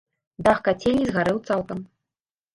Дах кацельні згарэў цалкам.